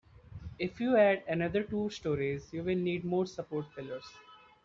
If you add another two storeys, you'll need more support pillars.